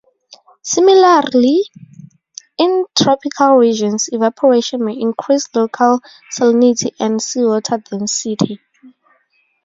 Similarly, in tropical regions, evaporation may increase local salinity and seawater density.